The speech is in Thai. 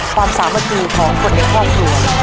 ความสามารถดีของคนเด็กข้อส่วน